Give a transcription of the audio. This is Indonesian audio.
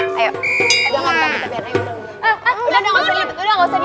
udah udah udah nggak usah tidur bareng temen temen ya biar adil